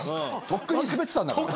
とっくにスベってたんだから。